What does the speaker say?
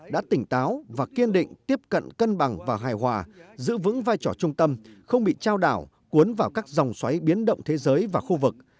đã tỉnh táo và kiên định tiếp cận cân bằng và hài hòa giữ vững vai trò trung tâm không bị trao đảo cuốn vào các dòng xoáy biến động thế giới và khu vực